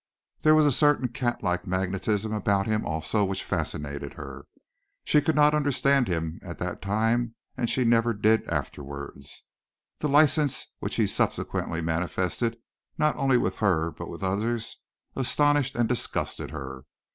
There was a certain cat like magnetism about him also which fascinated her. She could not understand him at that time and she never did afterwards. The license which he subsequently manifested not only with her but with others astonished and disgusted her.